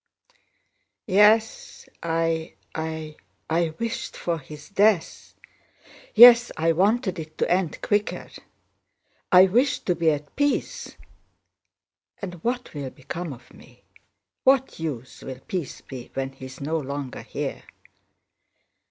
"Yes... I... I... I wished for his death! Yes, I wanted it to end quicker.... I wished to be at peace.... And what will become of me? What use will peace be when he is no longer here?"